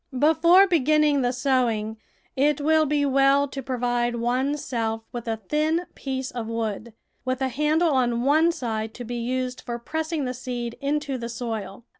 Before beginning the sowing it will be well to provide one's self with a thin piece of wood, with a handle on one side to be used for pressing the seed into the soil.